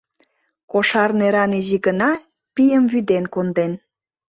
Кошар неран изи гына пийым вӱден конден.